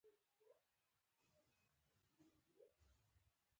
دا هم خپل ځای دی او ما کاکا فرض کړه.